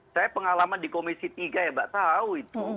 saya pengalaman di komisi tiga ya mbak tahu itu